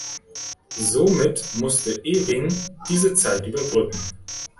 Somit musste Ewing diese Zeit überbrücken.